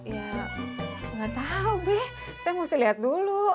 ya ga tau be saya mesti liat dulu